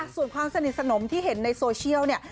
ส่วนความสนิทสนมที่เห็นในโซเชียลเนี่ย